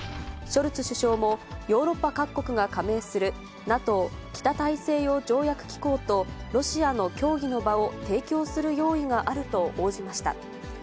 ショルツ首相も、ヨーロッパ各国が加盟する、ＮＡＴＯ・北大西洋条約機構とロシアの協議の場を提供する用意があると応じました。